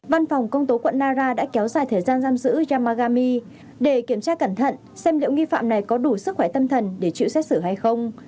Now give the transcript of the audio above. văn phòng công tố quận nara đã kéo dài thời gian giam giữ yamagami để kiểm tra cẩn thận xem liệu nghi phạm này có đủ sức khỏe tâm thần để chịu xét xử hay không